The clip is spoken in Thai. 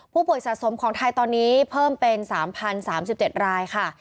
สะสมของไทยตอนนี้เพิ่มเป็น๓๐๓๗รายค่ะ